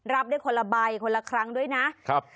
รับได้คนละใบคนละครั้งด้วยนะครับ